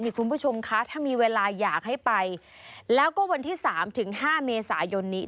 คุณผู้ชมคะถ้ามีเวลาอยากให้ไปแล้วก็วันที่สามถึงห้าเมษายนนี้